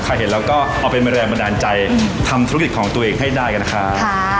เห็นแล้วก็เอาเป็นแรงบันดาลใจทำธุรกิจของตัวเองให้ได้กันนะครับ